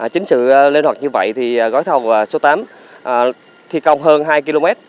chính sự linh hoạt như vậy thì gói thầu số tám thi công hơn hai km